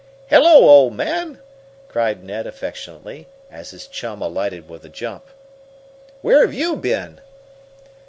"Hello, old man!" cried Ned affectionately, as his chum alighted with a jump. "Where have you been?"